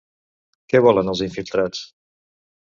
Què volen els infiltrats?